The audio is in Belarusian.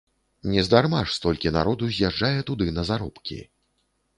Нездарма ж столькі народу з'язджае туды на заробкі.